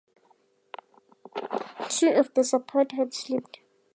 Two of the supports had slipped.